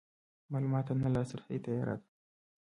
معلوماتو ته نه لاسرسی تیاره ده.